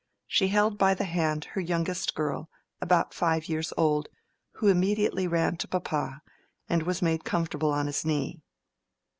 She held by the hand her youngest girl, about five years old, who immediately ran to papa, and was made comfortable on his knee.